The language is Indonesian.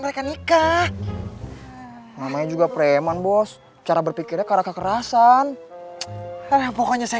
mereka nikah namanya juga preman bos cara berpikirnya karena kekerasan pokoknya saya